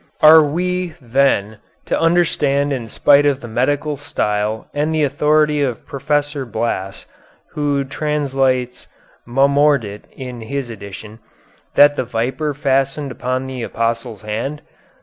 Are we, then, to understand in spite of the medical style and the authority of Professor Blass (who translates "momordit" in his edition), that the viper fastened upon the apostle's hand?